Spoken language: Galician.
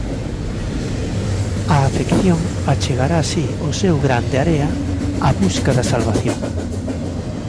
A afección achegará así o seu gran de area á busca da salvación.